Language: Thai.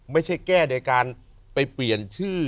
ไม่ใช่แก้โดยการไปเปลี่ยนชื่อ